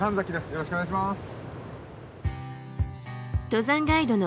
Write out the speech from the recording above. よろしくお願いします。